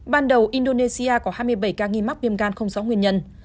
ban đầu indonesia có hai mươi bảy ca nghi mắc viêm gan không rõ nguyên nhân